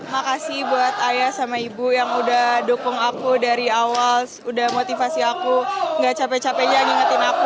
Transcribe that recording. makasih buat ayah sama ibu yang udah dukung aku dari awal udah motivasi aku gak capek capeknya ngingetin aku